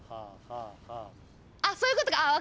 あっそういうことか！